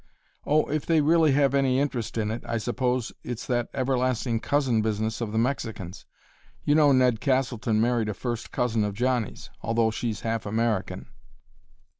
"Oh, if they really have any interest in it I suppose it's that everlasting 'cousin' business of the Mexicans. You know Ned Castleton married a first cousin of Johnny's, although she's half American."